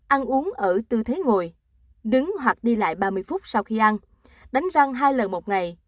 ăn uống ở tư thế ngồi đứng hoặc đi lại ba mươi phút sau khi ăn đánh răng hai lần một ngày